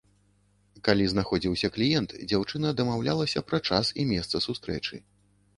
Калі знаходзіўся кліент, дзяўчына дамаўлялася пра час і месца сустрэчы.